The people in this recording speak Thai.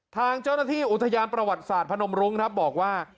ทางเจ้าหน้าที่อุทยานประวัติศาสตร์พนมรุ้งครับบอกว่า